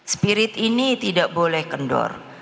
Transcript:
spirit ini tidak boleh kendor